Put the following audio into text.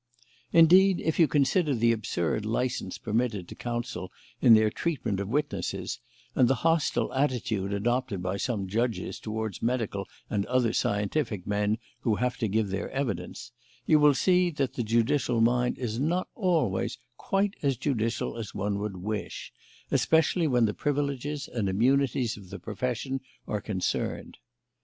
Indeed, if you consider the absurd licence permitted to counsel in their treatment of witnesses, and the hostile attitude adopted by some judges towards medical and other scientific men who have to give their evidence, you will see that the judicial mind is not always quite as judicial as one would wish, especially when the privileges and immunities of the profession are concerned.